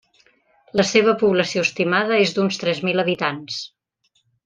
La seva població estimada és d'uns tres mil habitants.